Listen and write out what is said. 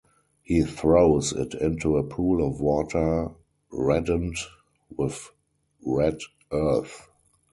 He throws it into a pool of water reddened with red earth.